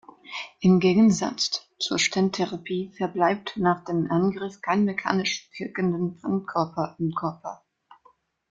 Im Gegensatz zur Stent-Therapie verbleibt nach dem Eingriff kein mechanisch wirkender Fremdkörper im Körper.